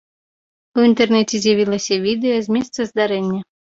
У інтэрнэце з'явілася відэа з месца здарэння.